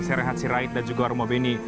saya rehat sirait dan juga romo beni